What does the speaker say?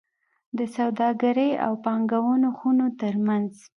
د سوداګرۍ او پانګونو خونو ترمنځ